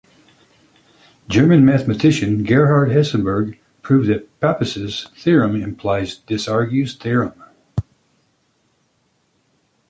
German mathematician Gerhard Hessenberg proved that Pappus's theorem implies Desargues's theorem.